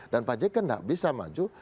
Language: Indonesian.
dan pak jk nggak bisa maju